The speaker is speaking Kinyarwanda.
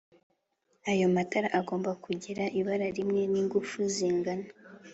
ayo matara agomba kugira ibara rimwe n'ingufu zingana